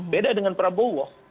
beda dengan prabowo